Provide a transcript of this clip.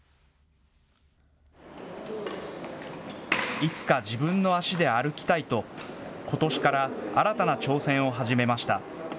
いつか自分の足で歩きたいと、ことしから新たな挑戦を始めました。